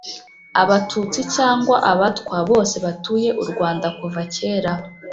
abatutsi cyangwa abatwa, bose batuye u rwanda kuva kera,